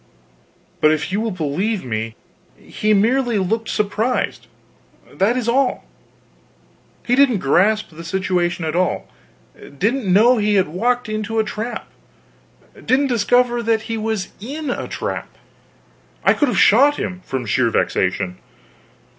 But if you will believe me, he merely looked surprised, that is all! he didn't grasp the situation at all, didn't know he had walked into a trap, didn't discover that he was in a trap. I could have shot him, from sheer vexation.